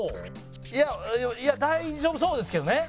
いやいや大丈夫そうですけどね。